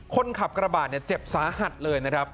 คนขับกระบาดเจ็บสาหัสเลยนะครับ